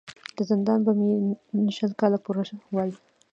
د زندان به مي نن شل کاله پوره وای